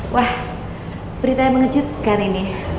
wah berita yang mengejutkan ini